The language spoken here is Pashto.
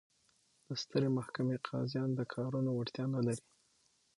د سترې محکمې قاضیان د کارونو وړتیا نه لري.